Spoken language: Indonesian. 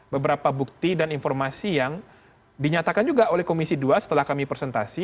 beberapa bukti dan informasi yang dinyatakan juga oleh komisi dua setelah kami presentasi